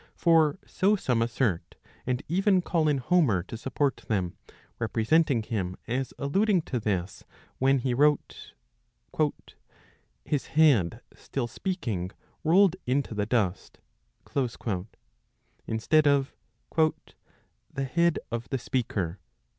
For so some assert, and even call in Homer to support them, representing him as alluding to. this when he wrote,'" " His head still speaking rolled into the dust," instead of "The head of the speaker."